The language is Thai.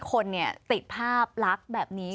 คนติดภาพลักษณ์แบบนี้